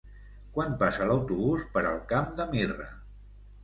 Quan passa l'autobús per el Camp de Mirra?